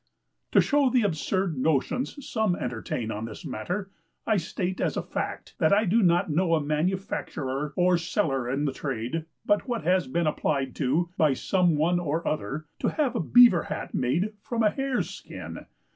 To show the absurd notions some entertain on this matter, I state as a fact, that I do not know a manufacturer or seller in the trade but what has been applied to, by some one or other, to have a Beaver Hat made from a hare's skin.